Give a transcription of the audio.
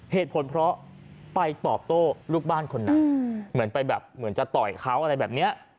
เหตุผลเพราะไปตอบโต้ลูกบ้านคนนั้นเหมือนไปแบบเหมือนจะต่อยเขาอะไรแบบนี้